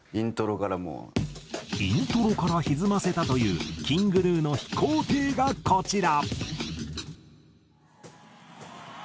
イントロから歪ませたというＫｉｎｇＧｎｕの『飛行艇』がこちら。